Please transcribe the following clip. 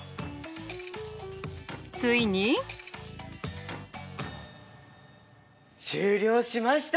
ついに。終了しました！